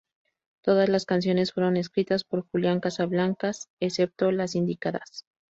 Todas las canciones fueron escritas por Julian Casablancas, excepto las indicadas.